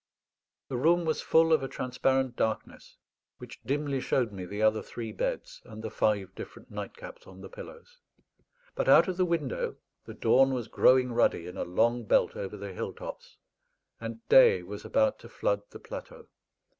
The room was full of a transparent darkness, which dimly showed me the other three beds and the five different nightcaps on the pillows. But out of the window the dawn was growing ruddy in a long belt over the hill tops, and day was about to flood the plateau.